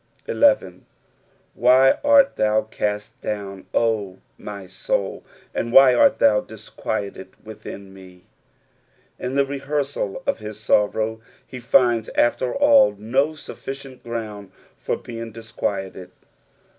11. "Why art thoit cast dovm, 0 my tovlt and nhy art ihoa dUquieted vithin met" In the rehearsal of his sorrow, he finds after all no sufficient ground for being disquieted.